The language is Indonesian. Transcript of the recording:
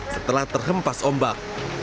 setelah terhempas ombak